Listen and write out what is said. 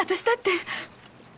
私だって。